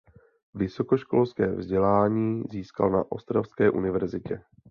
Vysokoškolské vzdělání získal na Ostravské univerzitě.